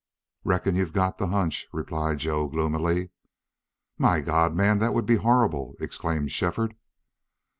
"Reckon you've got the hunch," replied Joe, gloomily. "My God! man, that would be horrible!" exclaimed Shefford.